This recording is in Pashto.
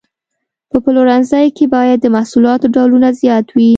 په پلورنځي کې باید د محصولاتو ډولونه زیات وي.